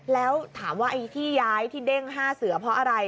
แล้วถามว่าไอ้ที่ย้ายที่เด้ง๕เสือเพราะอะไร